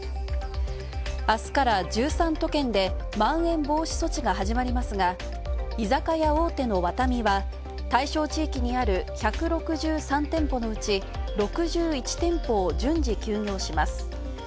あすから１３都県で、まん延防止措置が始まりますが居酒屋大手のワタミは、対象地域にある１６３店舗のうち６１店舗を順次休業します。